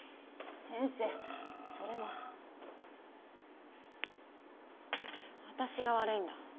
先生それは。あたしが悪いんだ。